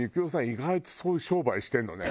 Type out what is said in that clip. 意外とそういう商売してるのね。